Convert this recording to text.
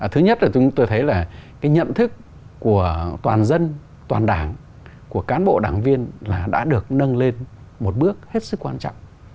thứ nhất là chúng tôi thấy là cái nhận thức của toàn dân toàn đảng của cán bộ đảng viên là đã được nâng lên một bước hết sức quan trọng